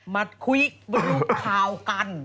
บุรุษข่าวกัน